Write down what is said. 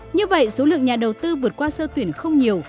như vậy số lượng nhà đầu tư vượt qua sơ tuyển không nhiều